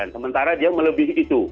sementara dia melebihi itu